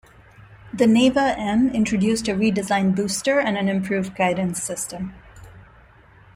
The Neva-M introduced a redesigned booster and an improved guidance system.